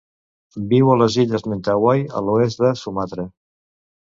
Viu a les illes Mentawai a l'oest de Sumatra.